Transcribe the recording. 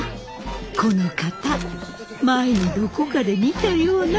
この方前にどこかで見たような。